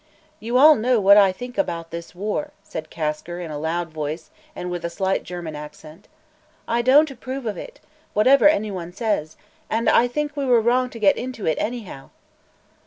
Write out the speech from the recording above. "You all know what I think about this war," said Kasker in a loud voice and with a slight German accent. "I don't approve of it, whatever anyone says, and I think we were wrong to get into it, anyhow."